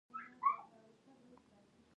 دماغ شاوخوا یو نیم کیلو وزن لري.